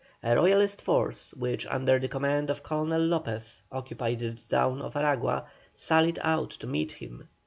A Royalist force, which, under the command of Colonel Lopez, occupied the town of Aragua, sallied out to meet him.